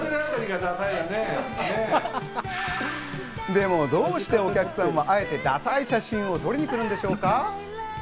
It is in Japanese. でも、どうしてお客さんはあえてダサい写真を撮りに来るんでしょうか？